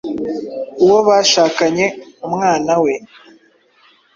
uwo bashakanye, umwana we